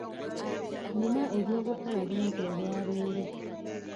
Nina eby'okukola bingi olwaleero.